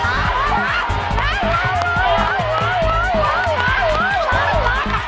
หลานตัว